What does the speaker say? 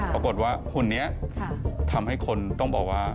ปรากฏว่าหุ่นนี้ทำให้คนต้องบอกว่า